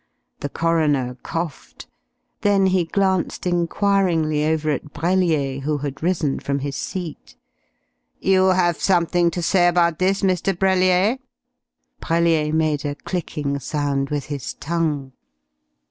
The coroner coughed. Then he glanced enquiringly over at Brellier, who had risen from his seat. "You have something to say about this, Mr. Brellier?" Brellier made a clicking sound with his tongue.